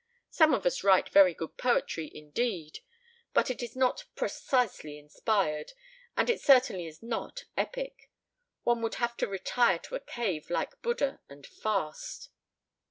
Some of us write very good poetry indeed, but it is not precisely inspired, and it certainly is not epic. One would have to retire to a cave like Buddha and fast."